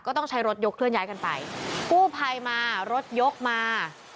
ต้องใช้รถยกเคลื่อย้ายกันไปกู้ภัยมารถยกมา